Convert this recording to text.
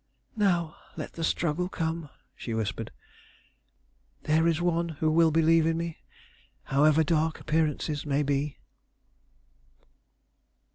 "Now let the struggle come!" she whispered. "There is one who will believe in me, however dark appearances may be."